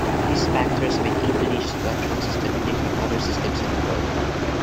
These factors made Indonesia's electoral system unique from other systems in the world.